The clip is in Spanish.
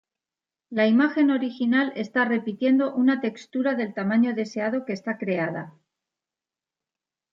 La imagen original está repitiendo una textura del tamaño deseado que está creada.